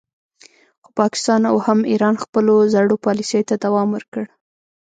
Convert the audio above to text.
خو پاکستان او هم ایران خپلو زړو پالیسیو ته دوام ورکړ